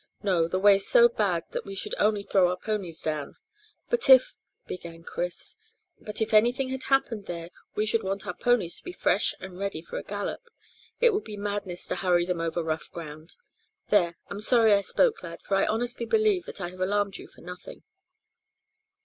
"No; the way's so bad that we should only throw our ponies down." "But if " began Chris. "But if anything had happened there we should want our ponies to be fresh and ready for a gallop. It would be madness to hurry them over rough ground. There, I'm sorry I spoke, lad, for I honestly believe that I have alarmed you for nothing."